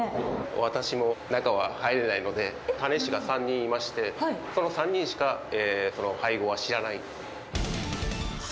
私も中は入れないので、酒種師が３人いまして、その３人しかその配合は知らないんです。